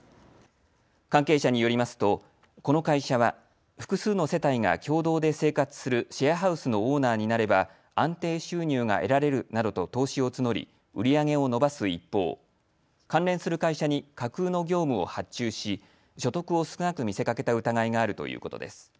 関係者によりますとこの会社は複数の世帯が共同で生活するシェアハウスのオーナーになれば安定収入が得られるなどと投資を募り売り上げを伸ばす一方、関連する会社に架空の業務を発注し所得を少なく見せかけた疑いがあるということです。